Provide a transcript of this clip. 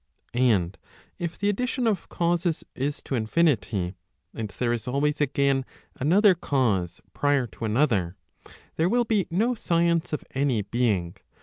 And if the addition of causes is to infinity, and there is always again another cause prior to another, there will be no science of any being.